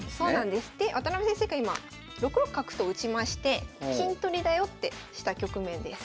で渡辺先生が今６六角と打ちまして金取りだよってした局面です。